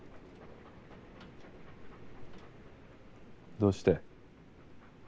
どうして。